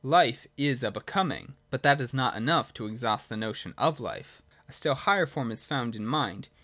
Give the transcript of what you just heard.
Life is a Becoming ; but that is not enough to exhaust the notion of life. A still higher form is found in Mind.